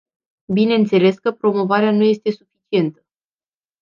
Bineînțeles că promovarea nu este suficientă.